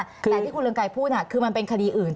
แต่ที่คุณเรืองไกรพูดคือมันเป็นคดีอื่น